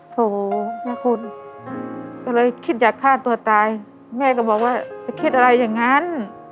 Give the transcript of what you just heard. โถนะคุณก็เลยคิดอยากฆ่าตัวตายแม่ก็บอกว่าจะคิดอะไรอย่างนั้น